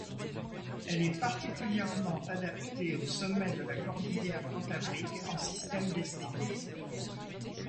Elle est particulièrement adaptée aux sommets de la cordillère cantabrique en système d'estive.